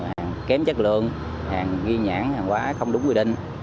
hàng kém chất lượng hàng ghi nhãn hàng quá không đúng quy định